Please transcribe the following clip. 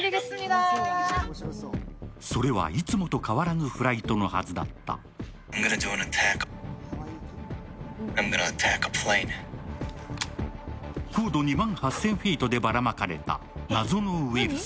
それはいつもと変わらぬフライトのはずだった高度２万８０００フィートでばらまかれた謎のウイルス